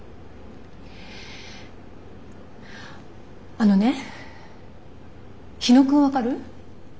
あのね火野くん分かる？